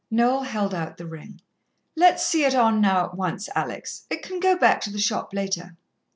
Noel held out the ring. "Let's see it on now at once, Alex. It can go back to the shop later."